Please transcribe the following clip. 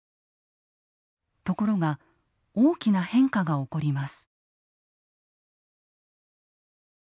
ところが大きな変化が起こります。